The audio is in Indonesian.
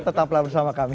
tetaplah bersama kami